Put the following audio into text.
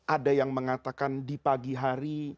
ada yang mengatakan di pagi hari